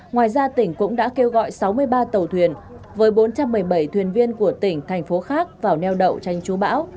ngoài ra tỉnh cũng đã kêu gọi sáu mươi ba tàu thuyền với bốn trăm một mươi bảy thuyền viên của tỉnh thành phố khác vào neo đậu tranh chú bão